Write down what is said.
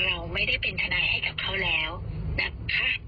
เราไม่ได้เป็นทนายให้กับเขาแล้วนะคะ